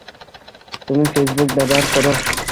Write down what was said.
তুমি ফেসবুক ব্যবহার করো?